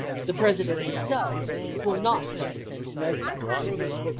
The President himself will not condescend to notice them."